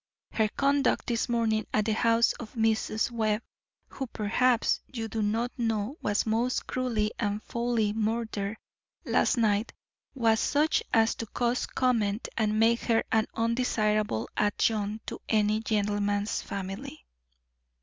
Her conduct this morning at the house of Mrs. Webb who perhaps you do not know was most cruelly and foully murdered last night was such as to cause comment and make her an undesirable adjunct to any gentleman's family."